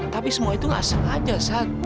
tapi semua itu gak sengaja sat